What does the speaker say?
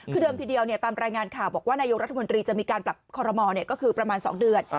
คือเดิมทีเดียวตามรายงานข่าวบอกว่านายกรัฐมนตรีจะมีการปรับคอรมอลก็คือประมาณ๒เดือน